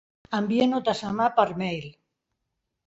Envia notes a mà per mail.